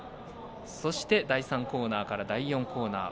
そして第３コーナーから第４コーナー。